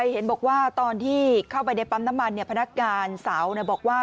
เห็นบอกว่าตอนที่เข้าไปในปั๊มน้ำมันพนักงานสาวบอกว่า